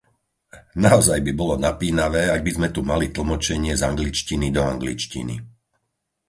Naozaj by bolo napínavé, ak by sme tu mali tlmočenie z angličtiny do angličtiny.